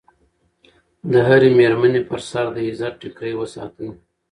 د هرې مېرمنې په سر د عزت ټیکری وساتئ.